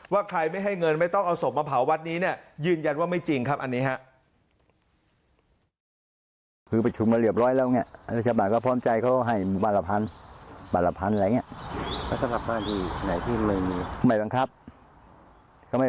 ใครไม่ให้เงินไม่ต้องเอาศพมาเผาวัดนี้เนี่ยยืนยันว่าไม่จริงครับอันนี้ครับ